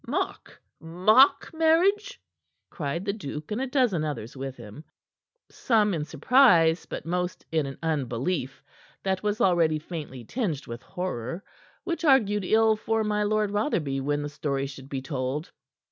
"Mock mock marriage?" cried the duke and a dozen others with him, some in surprise, but most in an unbelief that was already faintly tinged with horror which argued ill for my Lord Rotherby when the story should be told.